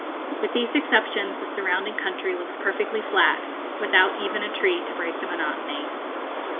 With these exceptions the surrounding country looks perfectly flat, without even a tree to break the monotony.